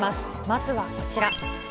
まずはこちら。